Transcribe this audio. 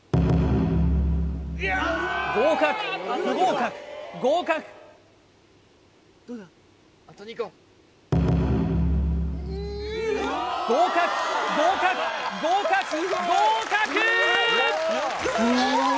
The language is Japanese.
合格不合格合格合格合格合格合格！